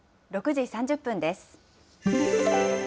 ６時３０分です。